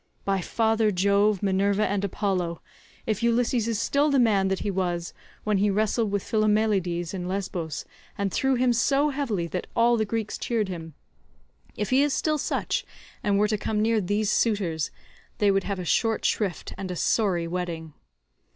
By father Jove, Minerva, and Apollo, if Ulysses is still the man that he was when he wrestled with Philomeleides in Lesbos, and threw him so heavily that all the Greeks cheered him—if he is still such, and were to come near these suitors, they would have a short shrift and a sorry wedding.